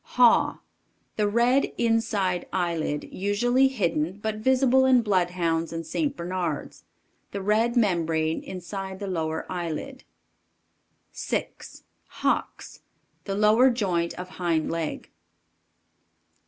Haw. The red inside eyelid, usually hidden, but visible in Bloodhounds and St. Bernards; the red membrane inside the lower eyelid. 6. HOCKS. The lower joint of hind leg.